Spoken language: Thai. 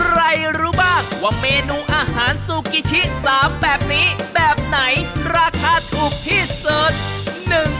รู้บ้างว่าเมนูอาหารซูกิชิ๓แบบนี้แบบไหนราคาถูกที่สุด